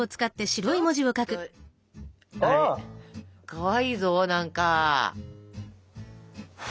かわいいぞ何か。